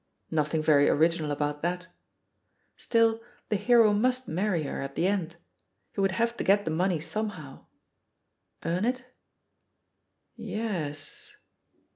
Nothing very original about that. Still the hero must marry her at the end — ^he would have to get the money somehow I Earn it? Y e s.